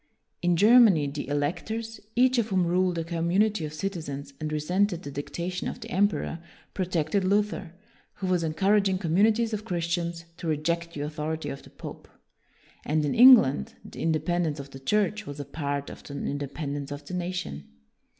In Germany the electors, each of whom ruled a community of citizens and resented the dictation of the emperor, pro tected Luther, who was encouraging com munities of Christians to reject the author ity of the pope. And in England the in dependence of the Church was a part of the independence of the nation.